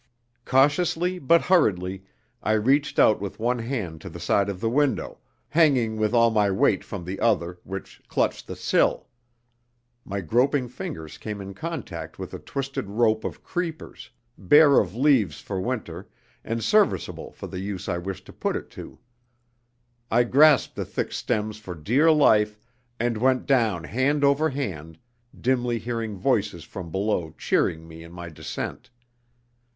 Cautiously but hurriedly I reached out with one hand to the side of the window, hanging with all my weight from the other, which clutched the sill. My groping fingers came in contact with a twisted rope of creepers; bare of leaves for winter, and serviceable for the use I wished to put it to. I grasped the thick stems for dear life, and went down hand over hand, dimly hearing voices from below cheering me in my descent.